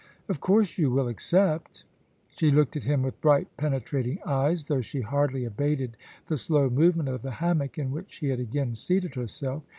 Of course you will accept* She looked at him with bright penetrating eyes, though she hardly abated the slow movement of the hammock in which she had again seated herself.